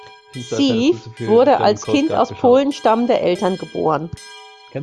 Sieff wurde als Kind aus Polen stammender Eltern geboren.